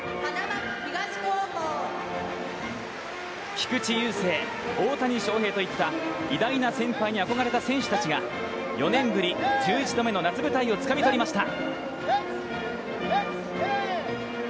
菊池雄星、大谷翔平といった偉大な先輩に憧れた選手たちが４年ぶり１１度目の夏舞台をつかみとりました。